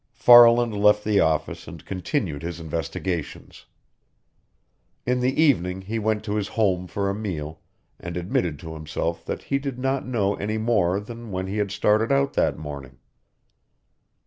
Farland left the office and continued his investigations. In the evening he went to his home for a meal, and admitted to himself that he did not know any more than when he had started out that morning.